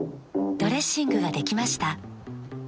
ドレッシングができました。